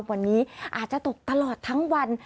วันนี้อาจจะตกตลอดทั้งวัน